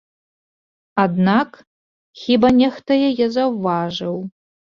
Аднак хіба нехта яе заўважыў?